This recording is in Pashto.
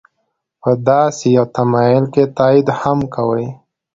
په داسې یو تمایل که تایید هم کوي.